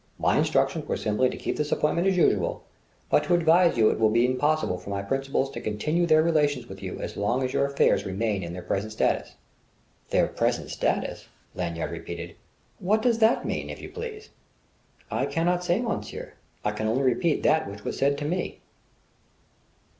My instructions were simply to keep this appointment as usual, but to advise you it will be impossible for my principals to continue their relations with you as long as your affairs remain in their present status." "Their present status?" Lanyard repeated. "What does that mean, if you please?" "I cannot say monsieur. I can only repeat that which was said to me."